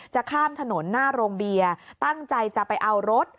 จะข้ามถนนหน้าโรงเบียร์ตั้งใจจะไปเอารถ